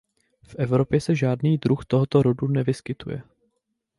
V Evropě se žádný druh tohoto rodu nevyskytuje.